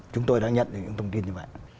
chúng tôi đã nhận được những thông tin như vậy